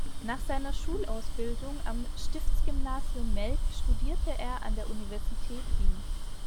Nach seiner Schulausbildung am Stiftsgymnasium Melk studierte er an der Universität Wien.